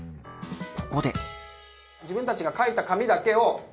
ここで。